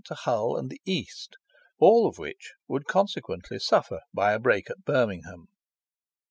to Hull and the east, all of which would consequently suffer by a break at Birmingham.